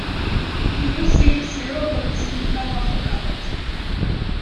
He received zero votes and fell off the ballot.